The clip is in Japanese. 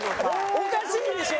おかしいでしょ？